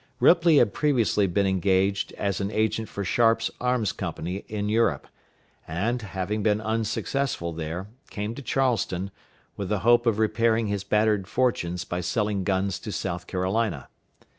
Ripley had previously been engaged as an agent for Sharpe's Arms Company in Europe; and, having been unsuccessful there, came to Charleston, with the hope of repairing his shattered fortunes by selling guns to South Carolina.